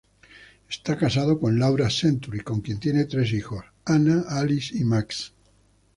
Está casado con Laura Century, con quien tiene tres hijos: Hannah, Alice, y Max.